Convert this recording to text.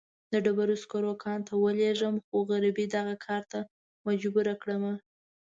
د ډبرو سکرو کان ته ولېږم، خو غريبۍ دغه کار ته مجبوره کړمه.